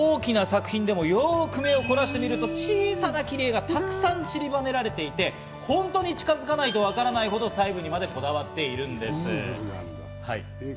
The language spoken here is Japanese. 大きな作品でもよく目を凝らしてみると、小さな切り絵が沢山散りばめられていて、ホントに近づかないとわからないほど細部にまでこだわっているんです。